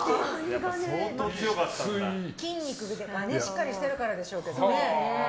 筋肉がしっかりしてるからでしょうけどね。